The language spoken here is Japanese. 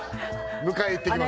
迎え行ってきます